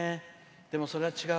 でも、それは違う。